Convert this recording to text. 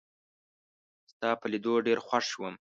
ستا په لیدو ډېر خوښ شوم